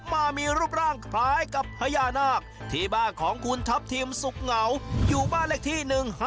มามีรูปร่างคล้ายกับพญานาคที่บ้านของคุณทัพทิมสุขเหงาอยู่บ้านเลขที่๑๕๗